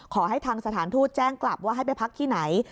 ขอให้ทางสถานทูตแจ้งกลับว่าให้ไปพักที่ไหน